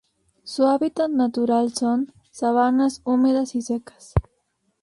Su hábitat natural son: sabanas húmedas y secas